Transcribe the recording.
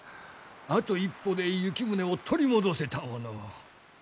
あと一歩で行宗を取り戻せたものを！